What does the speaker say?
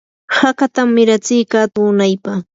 hakatam miratsiyka tunaypa.